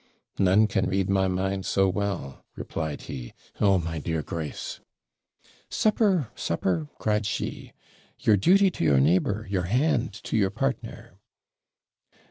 'None can read my mind so well,' replied he. 'Oh, my dear Grace!' 'Supper! supper!' cried she; 'your duty to your neighbour, your hand to your partner.'